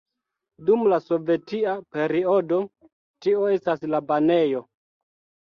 Dum la sovetia periodo tio estas la banejo.